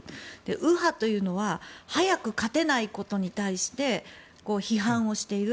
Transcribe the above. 右派というのは早く勝てないことに対して批判をしている。